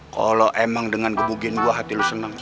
kalau emang dengan gebukin gue hati lo senang